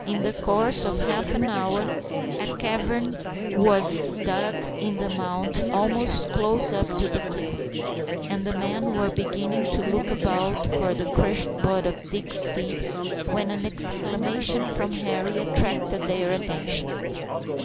In the course of half an hour a cavern was dug in the mound almost close up to the cliff, and the men were beginning to look about for the crushed body of Dick's steed, when an exclamation from Henri attracted their attention.